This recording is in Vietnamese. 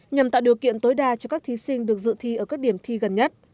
nhằm tạo điều kiện tối đa cho các thí sinh được dự thi ở các điểm thi gần nhất